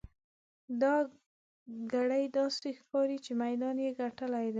دا ګړی داسې ښکاري چې میدان یې ګټلی دی.